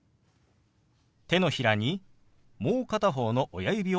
手のひらにもう片方の親指を当てます。